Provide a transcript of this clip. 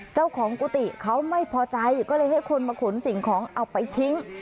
กุฏิเขาไม่พอใจก็เลยให้คนมาขนสิ่งของเอาไปทิ้ง